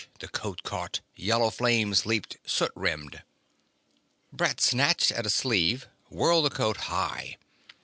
the coat caught; yellow flames leaped, soot rimmed. Brett snatched at a sleeve, whirled the coat high.